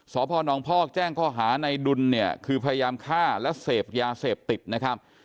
สพนพอกแจ้งข้อหาในดุลเนี่ยคือพยายามฆ่าและเสพยาเสพติดนะครับ